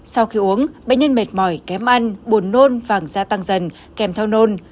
sau khi uống bệnh nhân mệt mỏi kém ăn buồn nôn vàng da tăng dần kèm theo nôn